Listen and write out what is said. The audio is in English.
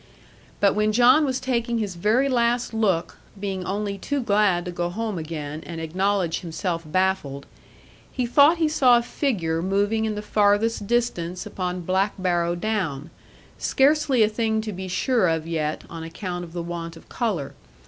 But when John was taking his very last look, being only too glad to go home again, and acknowledge himself baffled, he thought he saw a figure moving in the farthest distance upon Black Barrow Down, scarcely a thing to be sure of yet, on account of the want of colour.